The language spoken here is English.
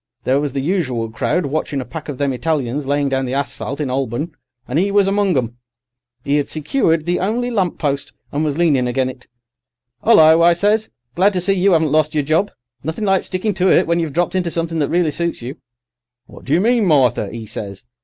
There was the usual crowd watching a pack of them Italians laying down the asphalt in 'Olborn, and 'e was among 'em. 'E 'ad secured the only lamp post, and was leaning agen it. "'Ullo,' I says, 'glad to see you 'aven't lost your job. Nothin' like stickin' to it, when you've dropped into somethin' that really suits you.' "'What do you mean, Martha?' 'e says.